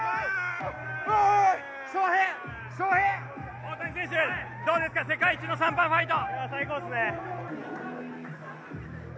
大谷選手、どうですか世界一のシャンパンファイト。